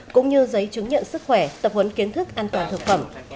cũng như giấy chứng nhận sức khỏe tập huấn kiến thức an toàn thực phẩm